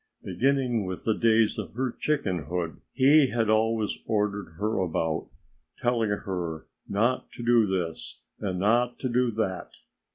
Beginning with the days of her chickenhood he had always ordered her about, telling her not to do this and not to do that.